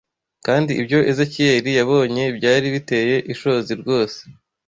Kandi ibyo Ezekiyeli yabonye byari biteye ishozi rwose!